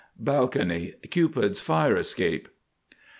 BALCONY. Cupid's fire escape.